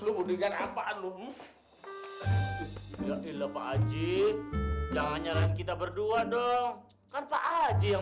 lu gede kan apaan lo ya ilah pak haji jangan nyarankan kita berdua dong kan pak haji yang